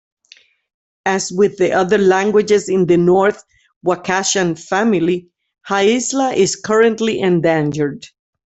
As with the other languages in the North Wakashan family, Haisla is currently endangered.